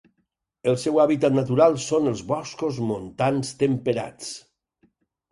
El seu hàbitat natural són els boscos montans temperats.